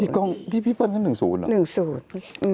พี่ก้องพี่เปิ้ลก็หนึ่งศูนย์เหรอหนึ่งศูนย์